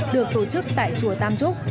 được tổ chức tại chùa tam trúc